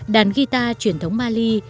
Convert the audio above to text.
đàn guitar truyền thống mali